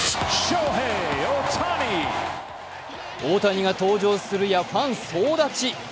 大谷が登場するやファン総立ち。